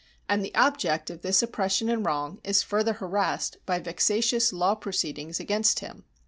. and the object of this oppression and wrong is further harassed by vexatious law proceedings against him.